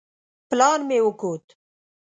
پلان مې وکوت.